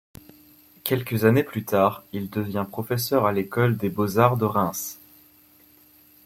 Quelques années plus tard, il devient professeur à l'école des Beaux-Arts de Reims.